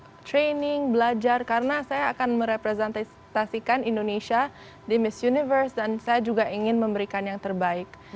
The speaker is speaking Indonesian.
untuk training belajar karena saya akan merepresentasikan indonesia di miss universe dan saya juga ingin memberikan yang terbaik